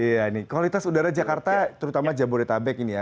iya ini kualitas udara jakarta terutama jabodetabek ini ya